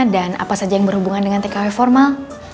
dan apa saja yang berhubungan dengan tkw formal